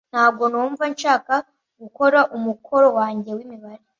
Ntabwo numva nshaka gukora umukoro wanjye w'imibare.